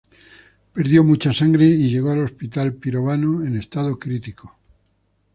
Perdió mucha sangre y llegó al Hospital Pirovano en estado crítico.